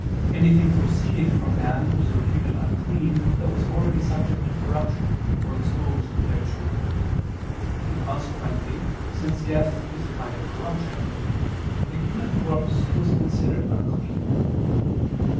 Anything proceeding from man was reputed unclean that was already subject to corruption, or exposed thereto: and consequently since death is a kind of corruption, the human corpse was considered unclean.